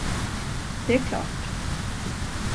Det är klart.